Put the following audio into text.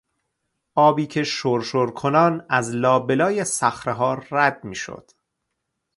آبی که شر شر کنان از لابهلای صخرهها رد میشد